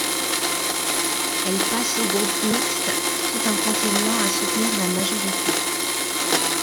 Elle passe au groupe mixte tout en continuant à soutenir la majorité.